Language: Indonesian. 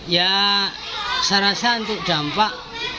ya saya rasa untuk dampak